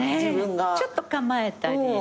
ちょっと構えたりね。